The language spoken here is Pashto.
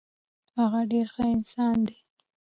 هغه ډیر ښه انسان دی.